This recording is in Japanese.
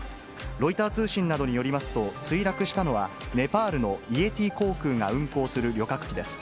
ロイター通信などによりますと、墜落したのは、ネパールのイエティ航空が運航する旅客機です。